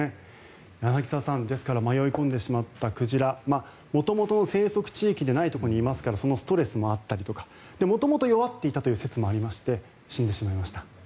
柳澤さん、ですから迷い込んでしまった鯨元々の生息地域でないところにいますからそのストレスもあったりとか元々弱っていたということもありまして死んでしまいました。